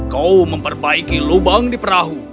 kau memperbaiki lubang di perahu